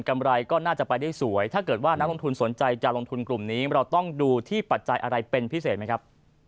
ไรก็น่าจะไปได้สวยถ้าเกิดว่านักลงทุนสนใจจะลงทุนกลุ่มนี้เราต้องดูที่ปัจจัยอะไรเป็นพิเศษไหมครับ